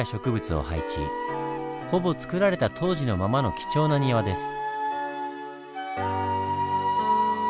ほぼつくられた当時のままの貴重な庭です。